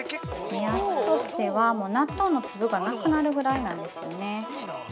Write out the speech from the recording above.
目安としては納豆の粒がなくなるぐらいなんですよね。